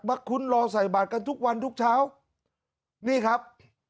คุ้นรอใส่บาทกันทุกวันทุกเช้านี่ครับ